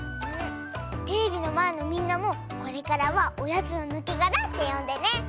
テレビのまえのみんなもこれからは「おやつのぬけがら」ってよんでね。